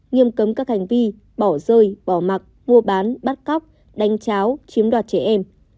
nghiêm cấm các hành vi bỏ rơi bỏ mặc mua bán bắt cóc đánh cháo chiếm đoạt trẻ em